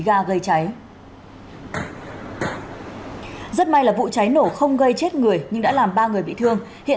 ga gây cháy rất may là vụ cháy nổ không gây chết người nhưng đã làm ba người bị thương hiện